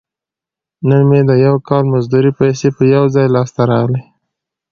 نن مې د یو کال مزدورۍ پیسې په یو ځای لاس ته راغلي.